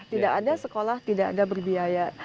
tidak ada sekolah tidak ada berbiaya